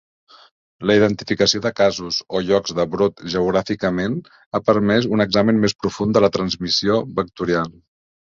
La identificació de casos o llocs de brot geogràficament ha permès un examen més profund de la transmissió vectorial.